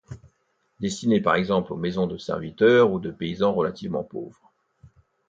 Destiné par exemple aux maisons de serviteurs ou de paysans relativement pauvre.